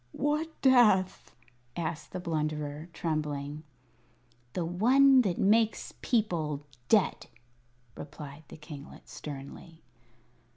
"What death?" asked the Blunderer, trembling. "The one that makes people dead," replied the kinglet, sternly.